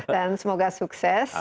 dan semoga sukses